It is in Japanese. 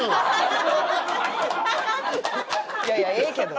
いやいやええけど。